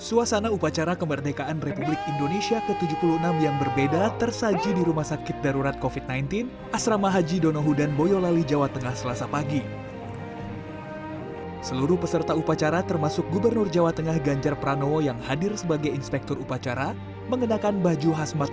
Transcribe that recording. upacara dilakukan di rumah sakit darurat covid sembilan belas dan seluruh peserta upacara mengenakan baju hasmat